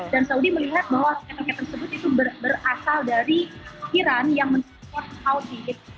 dan saudi melihat bahwa roket roket tersebut itu berasal dari iran yang mensupport hauti